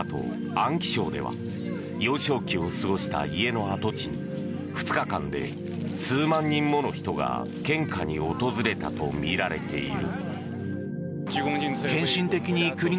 安徽省では幼少期を過ごした家の跡地に２日間で、数万人もの人が献花に訪れたとみられている。